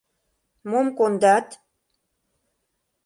Мом кондат?..